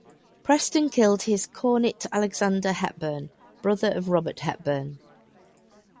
Preston killed his Cornet Alexander Hepburn (brother of Robert Hepburn).